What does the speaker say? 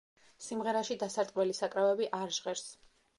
სიმღერაში დასარტყმელი საკრავები არ ჟღერს.